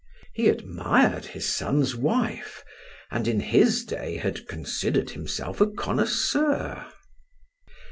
He admired his son's wife, and in his day had considered himself a connoisseur.